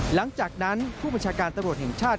หลังจากนั้นผู้บัญชาการตำรวจแห่งชาติ